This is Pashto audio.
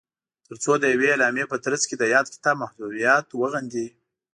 تر څو د یوې اعلامیې په ترځ کې د یاد کتاب محتویات وغندي